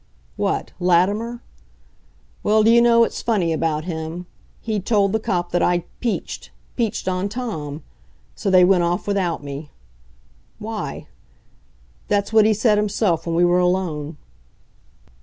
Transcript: What? Latimer? Well, do you know, it's funny about him. He'd told the cop that I'd peached peached on Tom! So they went off without me. Why? That's what he said himself when we were alone.